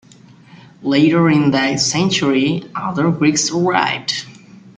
Later in that century other Greeks arrived.